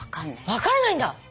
分からないんだ。